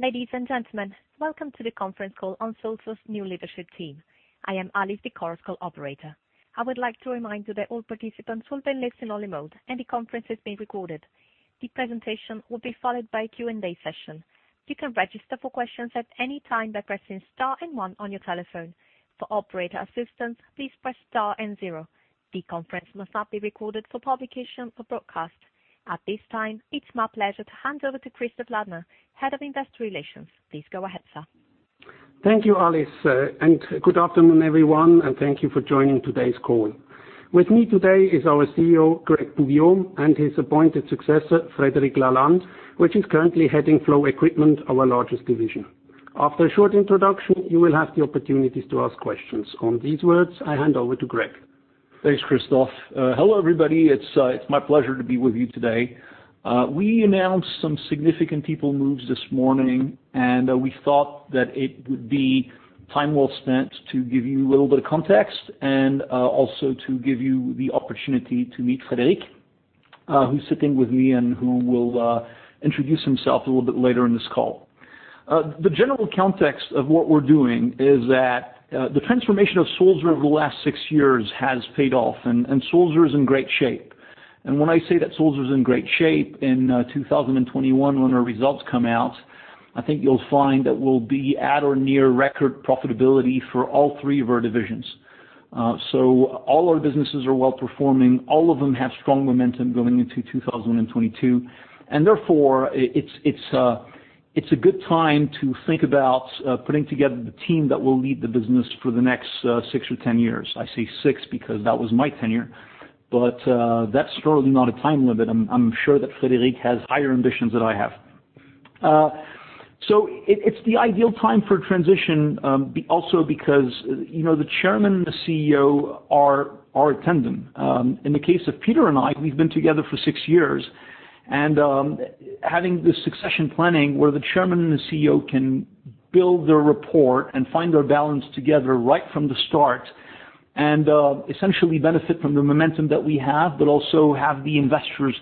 Ladies and gentlemen, welcome to the conference call on Sulzer's new leadership team. I am Alice, the conference call operator. I would like to remind you that all participants will be in listen-only mode and the conference is being recorded. The presentation will be followed by a Q&A session. You can register for questions at any time by pressing star and one on your telephone. For operator assistance, please press star and zero. The conference must not be recorded for publication or broadcast. At this time, it's my pleasure to hand over to Christoph Ladner, Head of Investor Relations. Please go ahead, sir. Thank you, Alice, and good afternoon, everyone, and thank you for joining today's call. With me today is our CEO, Greg Poux-Guillaume, and his appointed successor, Frédéric Lalanne, who is currently heading Flow Equipment, our largest division. After a short introduction, you will have the opportunity to ask questions. On these words, I hand over to Greg. Thanks, Christoph. Hello, everybody. It's my pleasure to be with you today. We announced some significant people moves this morning, and we thought that it would be time well spent to give you a little bit of context and also to give you the opportunity to meet Frédéric, who's sitting with me and who will introduce himself a little bit later in this call. The general context of what we're doing is that the transformation of Sulzer over the last six years has paid off, and Sulzer is in great shape. When I say that Sulzer is in great shape, in 2021, when our results come out, I think you'll find that we'll be at or near record profitability for all three of our divisions. So all our businesses are well-performing. All of them have strong momentum going into 2022. Therefore, it's a good time to think about putting together the team that will lead the business for the next six or 10 years. I say six because that was my tenure, but that's certainly not a time limit. I'm sure that Frédéric has higher ambitions than I have. It's the ideal time for a transition, also because, you know, the chairman and the CEO are a tandem. In the case of Peter and I, we've been together for six years. Having this succession planning where the chairman and the CEO can build their rapport and find their balance together right from the start and essentially benefit from the momentum that we have, but also have the investors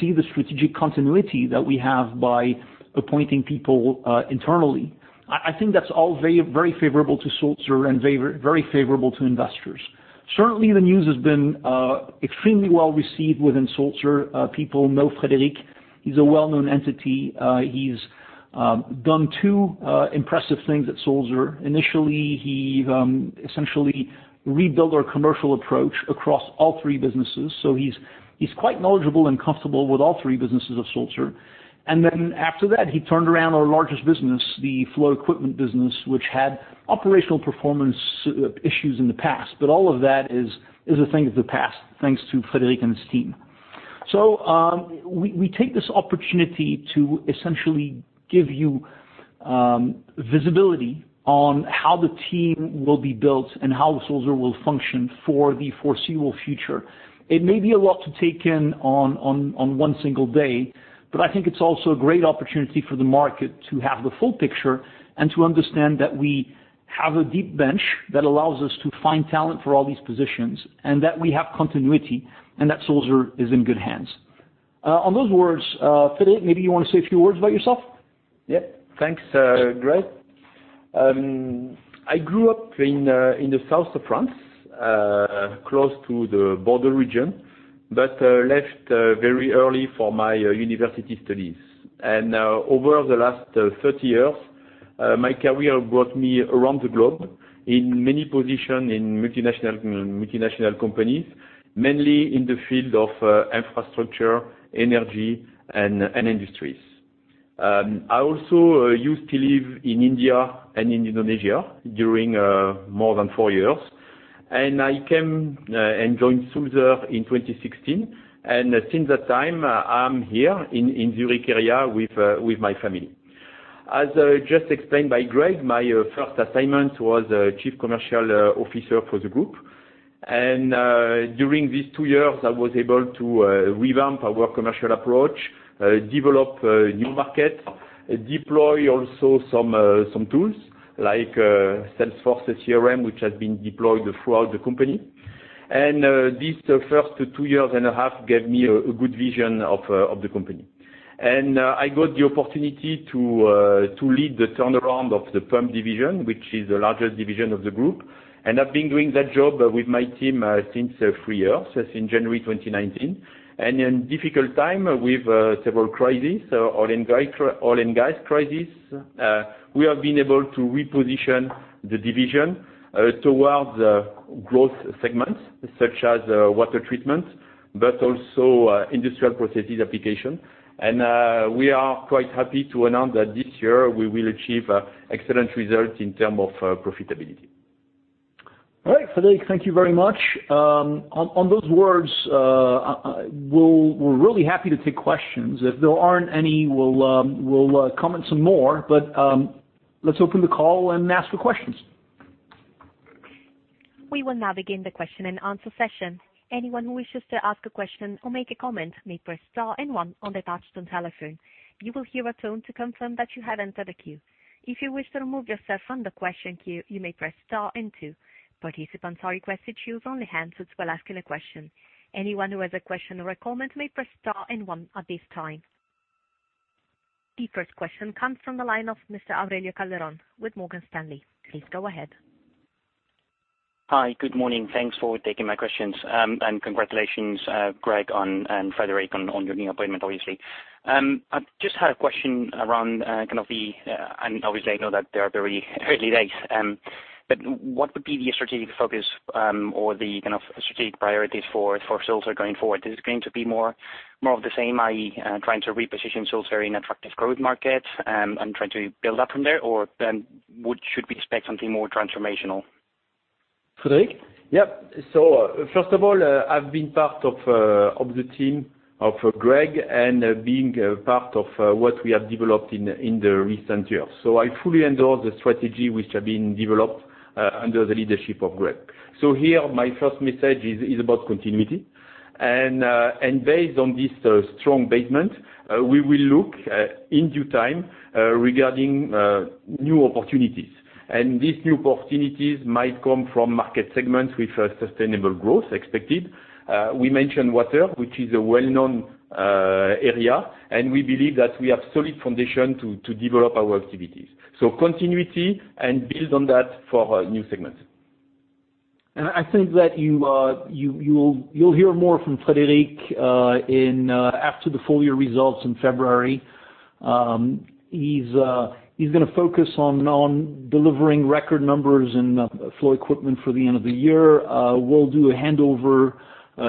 see the strategic continuity that we have by appointing people internally. I think that's all very favorable to Sulzer and very favorable to investors. Certainly, the news has been extremely well received within Sulzer. People know Frédéric. He's a well-known entity. He's done two impressive things at Sulzer. Initially, he's essentially rebuilt our commercial approach across all three businesses. So he's quite knowledgeable and comfortable with all three businesses of Sulzer. Then after that, he turned around our largest business, the Flow Equipment business, which had operational performance issues in the past. All of that is a thing of the past, thanks to Frédéric and his team. We take this opportunity to essentially give you visibility on how the team will be built and how Sulzer will function for the foreseeable future. It may be a lot to take in on one single day, but I think it's also a great opportunity for the market to have the full picture and to understand that we have a deep bench that allows us to find talent for all these positions, and that we have continuity, and that Sulzer is in good hands. On those words, Frédéric Lalanne, maybe you wanna say a few words about yourself? Yeah. Thanks, Greg. I grew up in the south of France close to the border region, but left very early for my university studies. Over the last 30 years, my career brought me around the globe in many position in multinational companies, mainly in the field of infrastructure, energy, and industries. I also used to live in India and in Indonesia during more than four years. I came and joined Sulzer in 2016. Since that time, I'm here in Zurich area with my family. As just explained by Greg, my first assignment was Chief Commercial Officer for the group. During these two years, I was able to revamp our commercial approach, develop new market, deploy also some tools like Salesforce CRM, which has been deployed throughout the company. These first two years and a half gave me a good vision of the company. I got the opportunity to lead the turnaround of the pump division, which is the largest division of the group. I've been doing that job with my team since three years, since January 2019. In difficult time with several crisis, oil and gas crisis, we have been able to reposition the division towards growth segments such as water treatment, but also industrial processes application. We are quite happy to announce that this year we will achieve excellent results in terms of profitability. All right. Frédéric, thank you very much. On those words, we're really happy to take questions. If there aren't any, we'll comment some more. Let's open the call and ask for questions. We will now begin the question and answer section. Anyone who wishes to ask a question or make a comment may press star and one on their telephone. You will hear a tone to confirm that you have entered the queue. If you wish to remove yourself from the question queue, you may press star and two. The first question comes from the line of Mr. Aurelio Calderon with Morgan Stanley. Please go ahead. Hi. Good morning. Thanks for taking my questions. Congratulations, Greg on, and Frédéric on, your new appointment, obviously. I just had a question around and obviously I know that they are very early days, but what would be the strategic focus, or the kind of strategic priorities for Sulzer going forward? Is it going to be more of the same, i.e., trying to reposition Sulzer in attractive growth markets and trying to build up from there? Or, should we expect something more transformational? Frederic? Yep. First of all, I've been part of the team of Greg and being a part of what we have developed in the recent years. I fully endorse the strategy which have been developed under the leadership of Greg. Here, my first message is about continuity and based on this strong base, we will look in due time regarding new opportunities. These new opportunities might come from market segments with a sustainable growth expected. We mentioned water, which is a well-known area, and we believe that we have solid foundation to develop our activities. Continuity and build on that for new segments. I think that you'll hear more from Frédéric after the full year results in February. He's gonna focus on delivering record numbers and Flow Equipment for the end of the year. We'll do a handover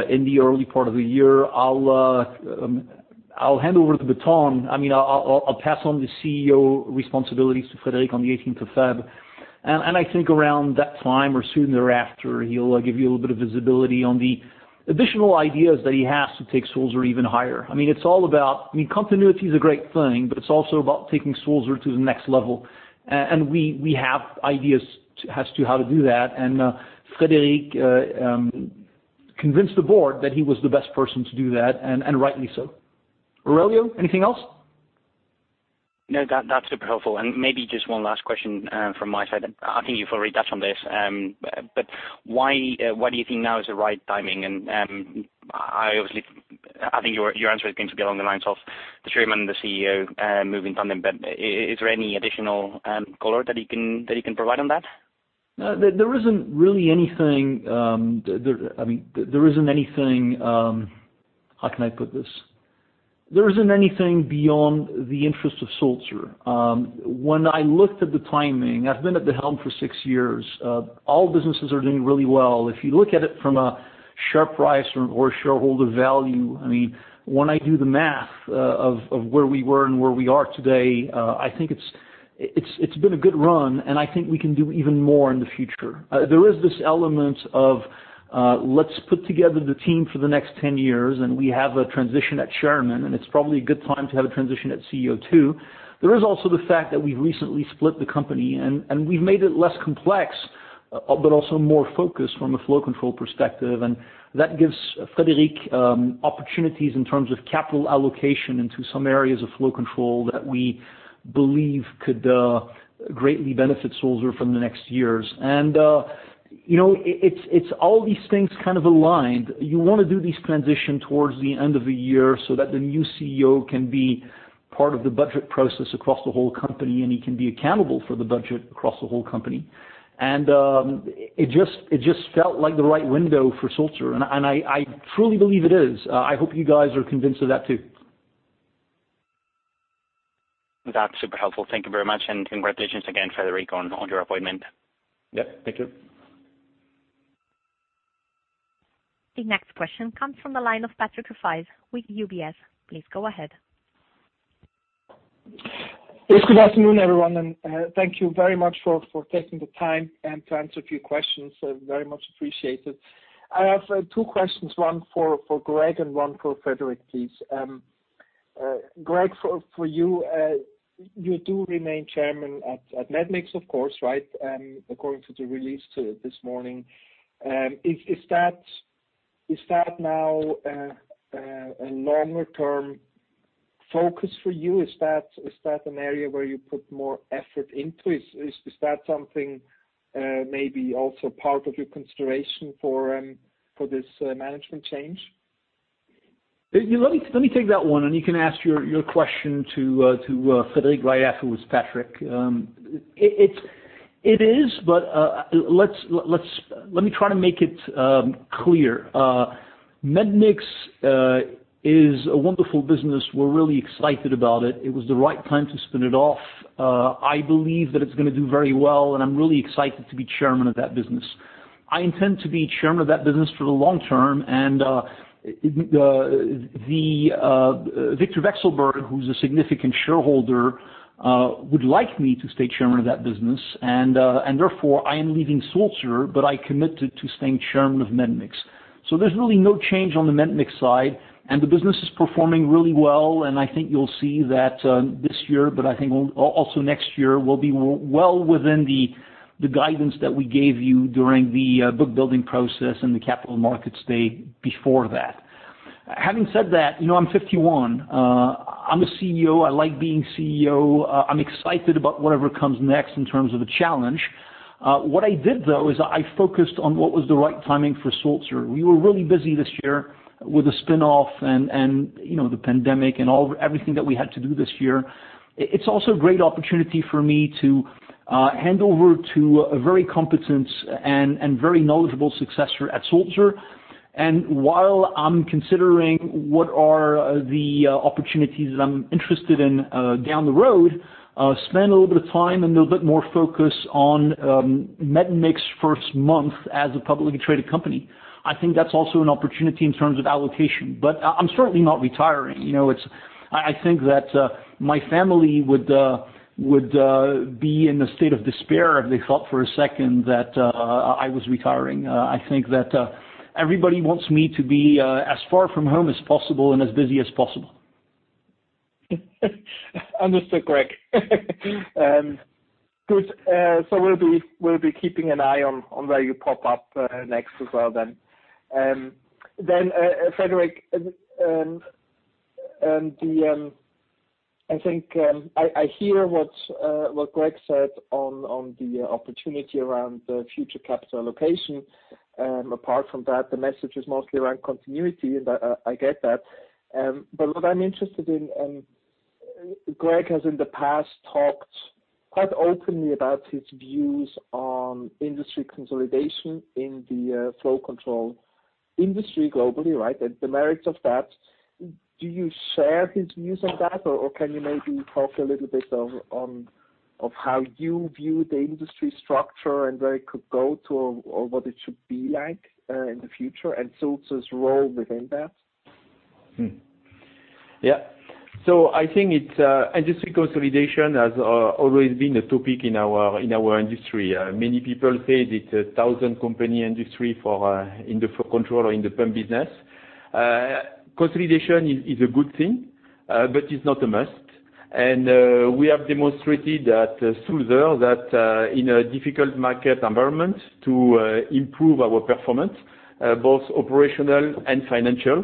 in the early part of the year. I'll hand over the baton. I mean, I'll pass on the CEO responsibilities to Frédéric February 18th. I think around that time or soon thereafter, he'll give you a little bit of visibility on the additional ideas that he has to take Sulzer even higher. I mean, it's all about continuity is a great thing, but it's also about taking Sulzer to the next level. We have ideas as to how to do that. Frédéric convinced the board that he was the best person to do that, and rightly so. Aurelio, anything else? No. That, that's super helpful. Maybe just one last question from my side. I think you've already touched on this, but why do you think now is the right timing? I obviously think your answer is going to be along the lines of the Chairman, the CEO moving on, but is there any additional color that you can provide on that? There isn't really anything. I mean, there isn't anything. How can I put this? There isn't anything beyond the interest of Sulzer. When I looked at the timing, I've been at the helm for six years. All businesses are doing really well. If you look at it from a share price or shareholder value, I mean, when I do the math, of where we were and where we are today, I think it's been a good run, and I think we can do even more in the future. There is this element of, let's put together the team for the next 10 years, and we have a transition at Chairman, and it's probably a good time to have a transition at CEO, too. There is also the fact that we've recently split the company and we've made it less complex, but also more focused from a flow control perspective. That gives Frédéric opportunities in terms of capital allocation into some areas of flow control that we believe could greatly benefit Sulzer in the next years. You know, it's all these things kind of aligned. You wanna do this transition towards the end of the year so that the new CEO can be part of the budget process across the whole company, and he can be accountable for the budget across the whole company. It just felt like the right window for Sulzer. I truly believe it is. I hope you guys are convinced of that too. That's super helpful. Thank you very much, and congratulations again, Frédéric, on your appointment. Yep. Thank you. The next question comes from the line of Patrick Rafaisz with UBS. Please go ahead. Yes. Good afternoon, everyone, and thank you very much for taking the time and to answer a few questions. Very much appreciated. I have two questions, one for Greg and one for Frédéric, please. Greg, for you, you do remain Chairman at medmix, of course, right? According to the release this morning. Is that now a longer term focus for you? Is that an area where you put more effort into? Is that something maybe also part of your consideration for this management change? Yeah. Let me take that one, and you can ask your question to Frédéric right after, Patrick. It is, but let me try to make it clear. Medmix is a wonderful business. We're really excited about it. It was the right time to spin it off. I believe that it's gonna do very well, and I'm really excited to be chairman of that business. I intend to be chairman of that business for the long term. Viktor Vekselberg, who's a significant shareholder, would like me to stay chairman of that business. Therefore, I am leaving Sulzer, but I committed to staying chairman of medmix. There's really no change on the medmix side, and the business is performing really well, and I think you'll see that this year, but I think also next year will be well within the guidance that we gave you during the book building process and the Capital Markets Day before that. Having said that, you know, I'm 51. I'm a CEO. I like being CEO. I'm excited about whatever comes next in terms of a challenge. What I did though is I focused on what was the right timing for Sulzer. We were really busy this year with the spin-off and you know, the pandemic and all, everything that we had to do this year. It's also a great opportunity for me to hand over to a very competent and very knowledgeable successor at Sulzer. While I'm considering what are the opportunities that I'm interested in down the road, spend a little bit of time and a little bit more focus on medmix first month as a publicly traded company. I think that's also an opportunity in terms of allocation. I'm certainly not retiring. You know, I think that my family would be in a state of despair if they thought for a second that I was retiring. I think that everybody wants me to be as far from home as possible and as busy as possible. Understood, Greg. Good. We'll be keeping an eye on where you pop up next as well then. Frédéric, I think I hear what Greg said on the opportunity around the future capital allocation. Apart from that, the message is mostly around continuity, and I get that. What I'm interested in, Greg has in the past talked quite openly about his views on industry consolidation in the flow control industry globally, right? The merits of that. Do you share his views on that, or can you maybe talk a little bit on how you view the industry structure and where it could go to or what it should be like in the future, and Sulzer's role within that? I think it's industry consolidation has always been a topic in our industry. Many people say it's a 1,000-company industry for in the flow control or in the pump business. Consolidation is a good thing, but it's not a must. We have demonstrated at Sulzer that in a difficult market environment to improve our performance both operational and financial.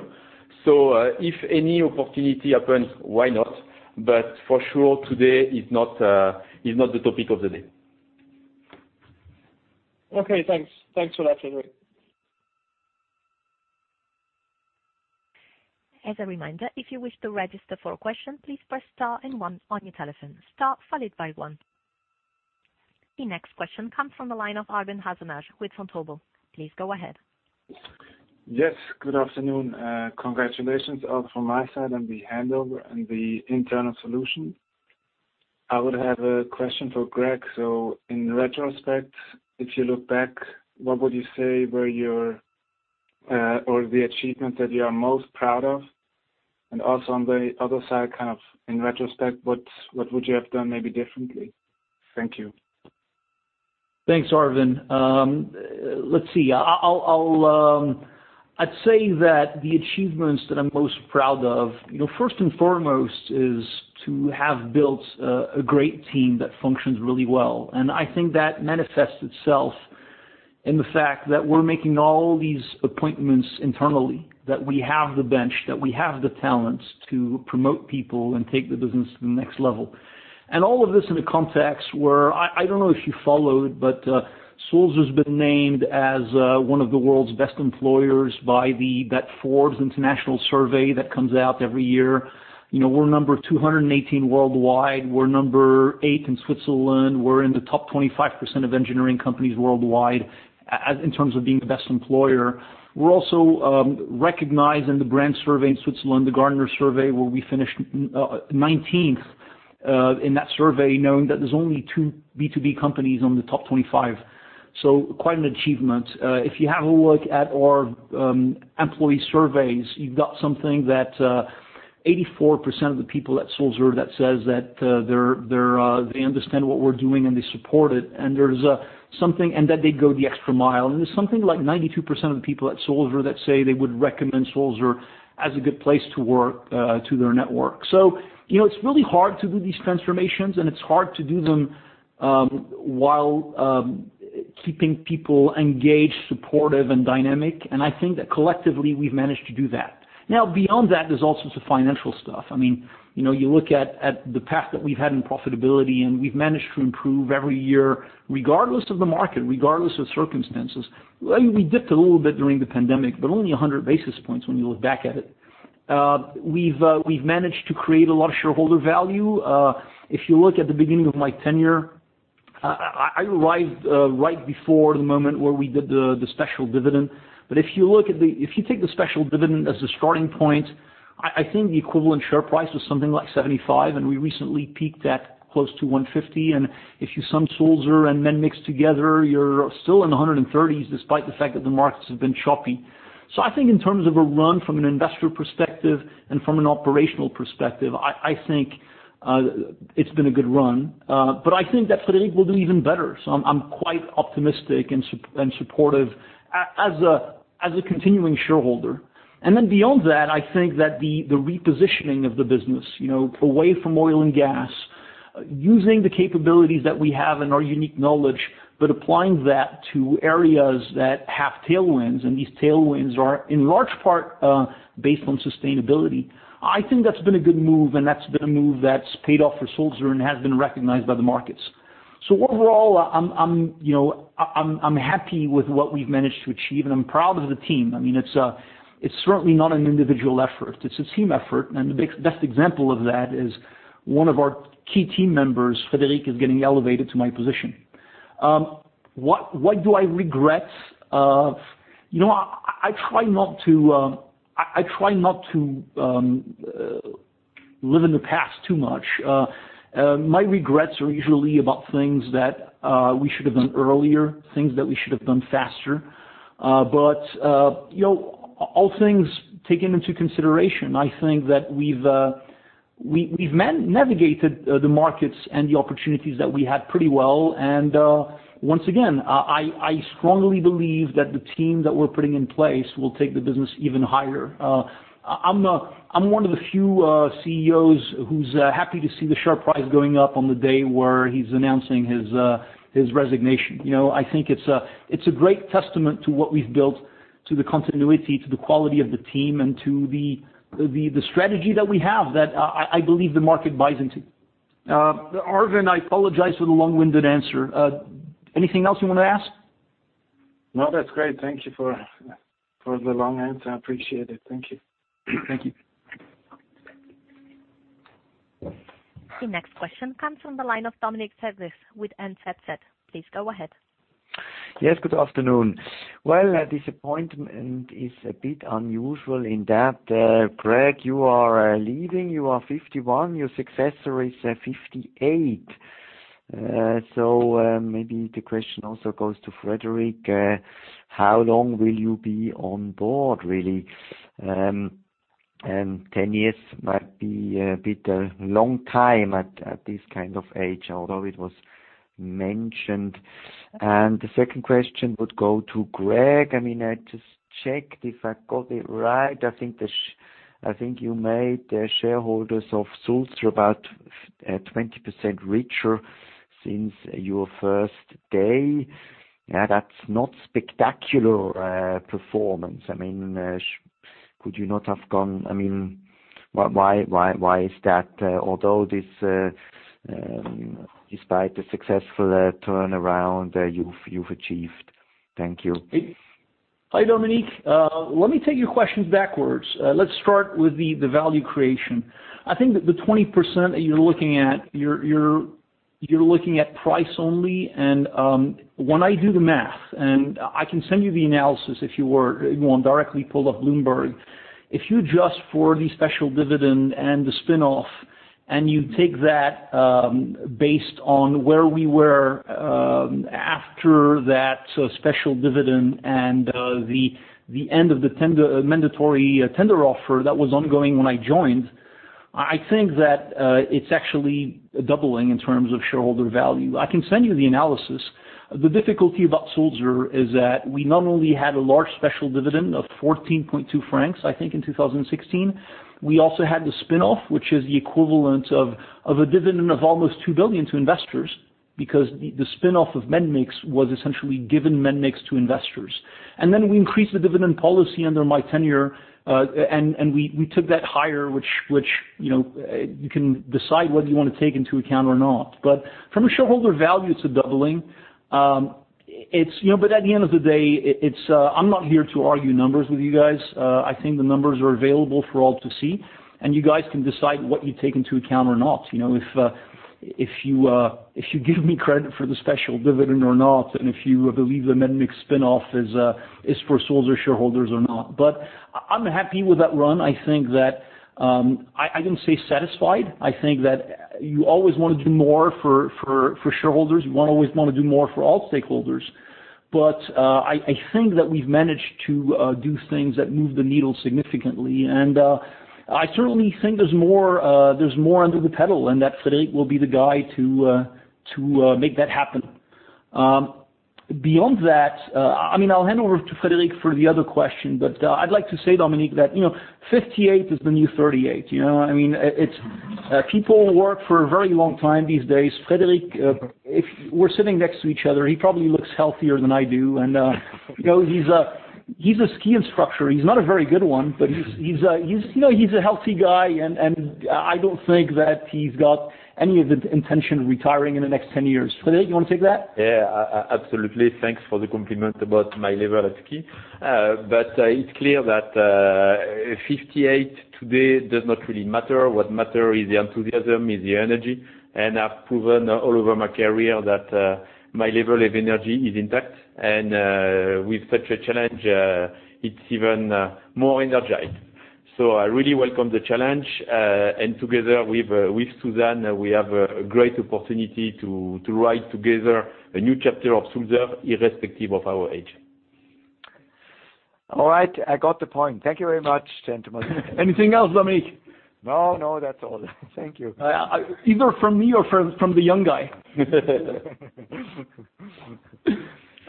If any opportunity happens, why not? For sure, today is not the topic of the day. Okay, thanks. Thanks a lot, Frédéric. As a reminder, if you wish to register for a question, please press star and one on your telephone, star followed by one. The next question comes from the line of Arvind Hazanash with Vontobel. Please go ahead. Yes, good afternoon. Congratulations also from my side on the handover and the internal solution. I would have a question for Greg. In retrospect, if you look back, what would you say were your or the achievement that you are most proud of? Also on the other side, kind of in retrospect, what would you have done maybe differently? Thank you. Thanks, Arvind. Let's see. I'll say that the achievements that I'm most proud of, you know, first and foremost is to have built a great team that functions really well. I think that manifests itself in the fact that we're making all these appointments internally, that we have the bench, that we have the talents to promote people and take the business to the next level. All of this in a context where I don't know if you followed, but Sulzer's been named as one of the world's best employers by that Forbes International survey that comes out every year. You know, we're number 218 worldwide. We're number eight in Switzerland. We're in the top 25% of engineering companies worldwide as in terms of being the best employer. We're also recognized in the brand survey in Switzerland, the Gartner survey, where we finished 19th in that survey, knowing that there's only two B2B companies on the top 25. Quite an achievement. If you have a look at our employee surveys, you've got something that 84% of the people at Sulzer says that they understand what we're doing, and they support it, and that they go the extra mile. There's something like 92% of the people at Sulzer that say they would recommend Sulzer as a good place to work to their network. You know, it's really hard to do these transformations, and it's hard to do them while keeping people engaged, supportive and dynamic. I think that collectively, we've managed to do that. Now beyond that, there's all sorts of financial stuff. I mean, you know, you look at the path that we've had in profitability, and we've managed to improve every year, regardless of the market, regardless of circumstances. Well, we dipped a little bit during the pandemic, but only 100 basis points when you look back at it. We've managed to create a lot of shareholder value. If you look at the beginning of my tenure, I arrived right before the moment where we did the special dividend. If you take the special dividend as a starting point, I think the equivalent share price was something like 75, and we recently peaked at close to 150. If you sum Sulzer and medmix together, you're still in the 130s, despite the fact that the markets have been choppy. I think in terms of a run from an investor perspective and from an operational perspective, I think it's been a good run. I think that Frédéric will do even better. I'm quite optimistic and supportive as a continuing shareholder. Then beyond that, I think that the repositioning of the business, you know, away from oil and gas, using the capabilities that we have and our unique knowledge, but applying that to areas that have tailwinds, and these tailwinds are in large part based on sustainability, I think that's been a good move, and that's been a move that's paid off for Sulzer and has been recognized by the markets. Overall, I'm happy with what we've managed to achieve, and I'm proud of the team. I mean, it's certainly not an individual effort. It's a team effort. The best example of that is one of our key team members, Frédéric, is getting elevated to my position. What do I regret? You know, I try not to. I try not to live in the past too much. My regrets are usually about things that we should have done earlier, things that we should have done faster. You know, all things taken into consideration, I think that we've navigated the markets and the opportunities that we had pretty well. Once again, I strongly believe that the team that we're putting in place will take the business even higher. I'm one of the few CEOs who's happy to see the share price going up on the day when he's announcing his resignation. You know, I think it's a great testament to what we've built, to the continuity, to the quality of the team, and to the strategy that we have, that I believe the market buys into. Arvind, I apologize for the long-winded answer. Anything else you wanna ask? No, that's great. Thank you for the long answer. I appreciate it. Thank you. The next question comes from the line of Dominic Feldges with NZZ. Please go ahead. Yes, good afternoon. Well, disappointment is a bit unusual in that, Greg, you are leaving. You are 51, your successor is 58. So, maybe the question also goes to Frédéric. How long will you be on board, really? 10 years might be a bit long time at this kind of age, although it was mentioned. The second question would go to Greg. I mean, I just checked if I got it right. I think you made the shareholders of Sulzer about 20% richer since your first day. That's not spectacular performance. I mean, could you not have gone. I mean, why is that, although this, despite the successful turnaround you've achieved? Thank you. Hi, Dominic. Let me take your questions backwards. Let's start with the value creation. I think that the 20% that you're looking at, you're looking at price only. When I do the math, and I can send you the analysis if you wanna directly pull up Bloomberg. If you adjust for the special dividend and the spin-off, and you take that, based on where we were after that, so special dividend and the end of the mandatory tender offer that was ongoing when I joined, I think that it's actually doubling in terms of shareholder value. I can send you the analysis. The difficulty about Sulzer is that we not only had a large special dividend of 14.2 francs, I think, in 2016. We also had the spin-off, which is the equivalent of a dividend of almost 2 billion to investors because the spin-off of medmix was essentially giving medmix to investors. We increased the dividend policy under my tenure and we took that higher, which, you know, you can decide whether you wanna take into account or not. From a shareholder value, it's a doubling. At the end of the day, I'm not here to argue numbers with you guys. I think the numbers are available for all to see, and you guys can decide what you take into account or not. You know, if you give me credit for the special dividend or not, and if you believe the medmix spin-off is for Sulzer shareholders or not. I'm happy with that run. I think that I wouldn't say satisfied. I think that you always wanna do more for shareholders. You always wanna do more for all stakeholders. I think that we've managed to do things that move the needle significantly. I certainly think there's more under the pedal, and that Frédéric will be the guy to make that happen. Beyond that, I mean, I'll hand over to Frédéric for the other question, but I'd like to say, Dominic, that, you know, 58 is the new 38, you know? I mean, it's people work for a very long time these days. Frédéric, if we're sitting next to each other, he probably looks healthier than I do. You know, he's a ski instructor. He's not a very good one, but he's a healthy guy, and I don't think that he's got any of the intention of retiring in the next 10 years. Frédéric, you wanna take that? Absolutely. Thanks for the compliment about my level of skill. It's clear that 58 today does not really matter. What matters is the enthusiasm, is the energy. I've proven all over my career that my level of energy is intact. With such a challenge, I'm even more energized. I really welcome the challenge. Together with Suzanne, we have a great opportunity to write together a new chapter of Sulzer irrespective of our age. All right. I got the point. Thank you very much, gentlemen. Anything else, Dominic? No, no, that's all. Thank you. Either from me or from the young guy.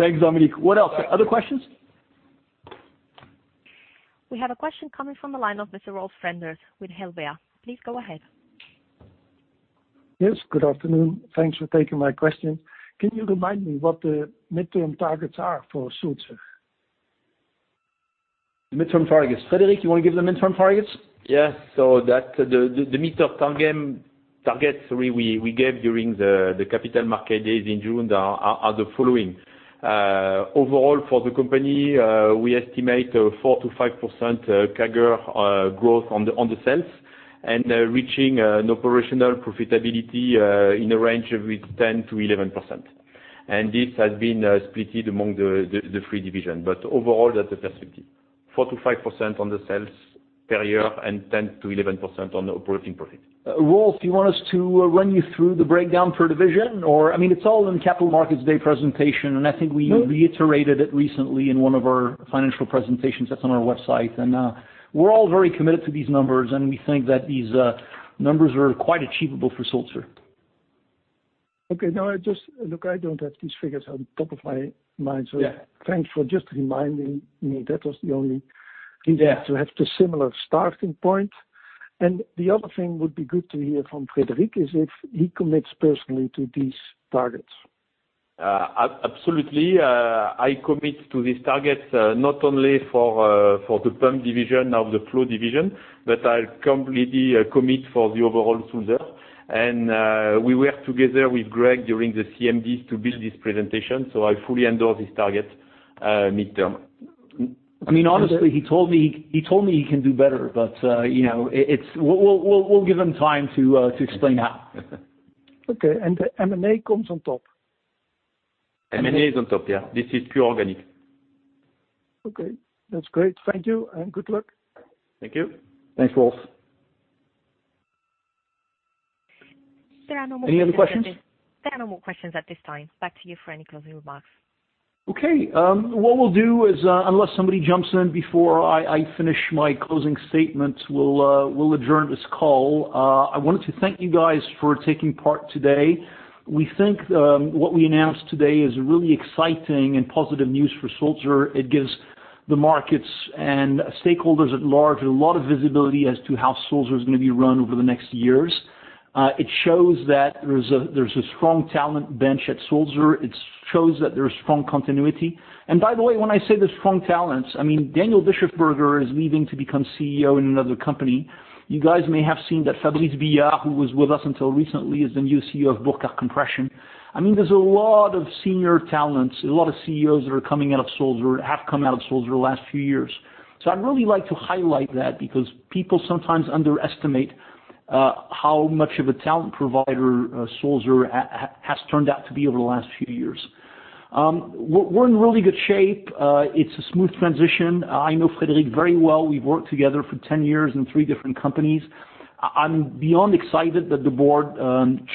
Thanks, Dominic. What else? Other questions? We have a question coming from the line of Mr. Rolf Renders with Helvea. Please go ahead. Yes, good afternoon. Thanks for taking my question. Can you remind me what the midterm targets are for Sulzer? The midterm targets. Frédéric, you want to give them the midterm targets? Yes. The midterm target we gave during the Capital Markets Day in June are the following. Overall for the company, we estimate a 4%-5% CAGR growth on the sales and reaching an operational profitability in a range of 10%-11%. This has been split among the three division. Overall that's the perspective. 4%-5% on the sales per year and 10%-11% on operating profit. Rolf, do you want us to run you through the breakdown per division or? I mean, it's all in the Capital Markets Day presentation, and I think we reiterated it recently in one of our financial presentations that's on our website. We're all very committed to these numbers, and we think that these numbers are quite achievable for Sulzer. Okay. No, I just look, I don't have these figures off the top of my head. Yeah. Thanks for just reminding me. That was the only reason. Yeah. to have the similar starting point. The other thing would be good to hear from Frédéric is if he commits personally to these targets. Absolutely. I commit to these targets, not only for the pump division or the Flow division, but I completely commit for the overall Sulzer. We worked together with Greg during the CMDs to build this presentation, so I fully endorse his targets midterm. I mean, honestly, he told me he can do better, but you know. We'll give him time to explain that. Okay. The M&A comes on top? M&A is on top, yeah. This is pure organic. Okay, that's great. Thank you and good luck. Thank you. Thanks, Rolf. There are no more questions. Any other questions? There are no more questions at this time. Back to you for any closing remarks. Okay. What we'll do is, unless somebody jumps in before I finish my closing statement, we'll adjourn this call. I wanted to thank you guys for taking part today. We think what we announced today is really exciting and positive news for Sulzer. It gives the markets and stakeholders at large a lot of visibility as to how Sulzer is gonna be run over the next years. It shows that there's a strong talent bench at Sulzer. It shows that there's strong continuity. By the way, when I say there's strong talents, I mean, Daniel Bischofberger is leaving to become CEO in another company. You guys may have seen that Fabrice Billard, who was with us until recently, is the new CEO of Burckhardt Compression. I mean, there's a lot of senior talents, a lot of CEOs that are coming out of Sulzer, have come out of Sulzer the last few years. I'd really like to highlight that because people sometimes underestimate how much of a talent provider Sulzer has turned out to be over the last few years. We're in really good shape. It's a smooth transition. I know Frédéric very well. We've worked together for 10 years in three different companies. I'm beyond excited that the board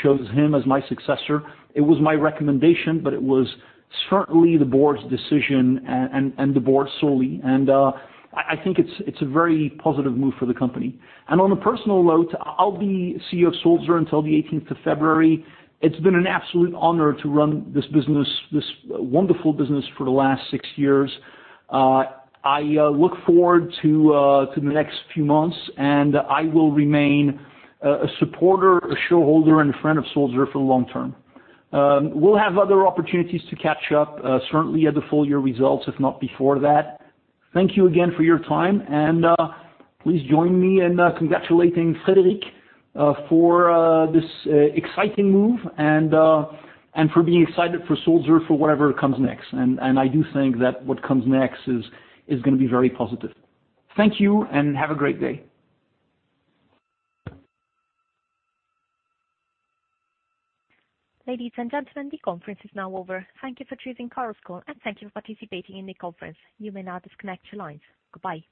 chose him as my successor. It was my recommendation, but it was certainly the board's decision and the board solely. I think it's a very positive move for the company. On a personal note, I'll be CEO of Sulzer until February 18th. It's been an absolute honor to run this business, this wonderful business for the last six years. I look forward to the next few months, and I will remain a supporter, a shareholder, and a friend of Sulzer for the long term. We'll have other opportunities to catch up, certainly at the full year results, if not before that. Thank you again for your time and please join me in congratulating Frédéric for this exciting move and for being excited for Sulzer for whatever comes next. I do think that what comes next is gonna be very positive. Thank you and have a great day. Ladies and gentlemen, the conference is now over. Thank you for choosing Chorus Call and thank you for participating in the conference. You may now disconnect your lines. Goodbye.